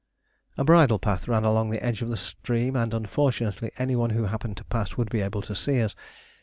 A bridle path ran along the edge of the stream, and unfortunately any one who happened to pass would be able to see us.